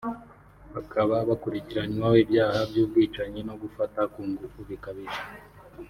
bakaba bakurikiranweho ibyaha by’ubwicanyi no gufata ku ngufu bikabije